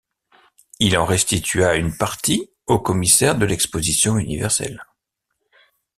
Il en restitua une partie au Commissaire de l'exposition universelle.